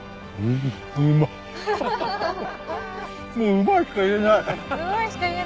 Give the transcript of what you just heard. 「うまい」しか言えない。